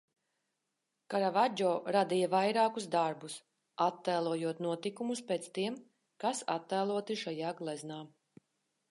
Karavadžo radīja vairākus darbus, attēlojot notikumus pēc tiem, kas attēloti šajā gleznā.